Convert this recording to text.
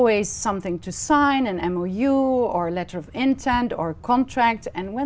và phương pháp phát triển năng lượng smart city